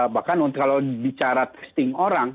bahkan kalau bicara testing orang